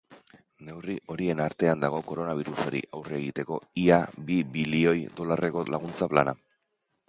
Neurri horien artean dago koronabirusari aurre egiteko ia bi bilioi dolarreko laguntza plana.